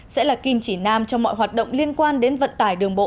sẽ là kim chỉ nam cho mọi hoạt động liên quan đến vận tải đường bộ